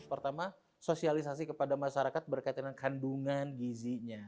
pertama sosialisasi kepada masyarakat berkaitan dengan kandungan gizinya